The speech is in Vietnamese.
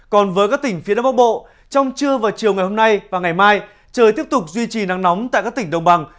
còn với các tỉnh phía đông bắc bộ trong trưa và chiều ngày hôm nay và ngày mai trời tiếp tục duy trì nắng nóng tại các tỉnh đồng bằng